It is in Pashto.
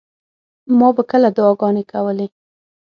ما به کله دعاګانې کولې.